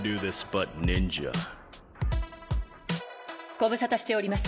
ご無沙汰しております